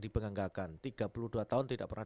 dibanggakan tiga puluh dua tahun tidak pernah